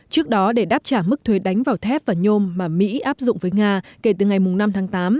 trước đó để đáp trả mức thuế đánh vào thép và nhôm mà mỹ áp dụng với nga kể từ ngày năm tháng tám